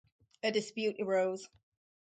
A dispute arose.